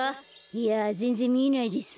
いやぜんぜんみえないです。